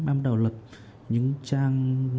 em đầu lật những trang